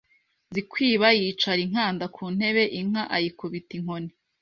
Nzikwiba yicaza inkanda ku ntebe, inka ayikubita inkoni